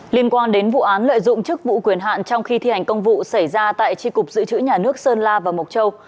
liên quan đến vụ án lợi dụng chức vụ quyền hạn trong khi thi hành công vụ xảy ra tại tri cục dự trữ nhà nước sơn la và mộc châu